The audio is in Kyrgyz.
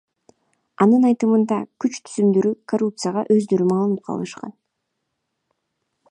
Анын айтымында, күч түзүмдөрү коррупцияга өздөрү малынып калышкан.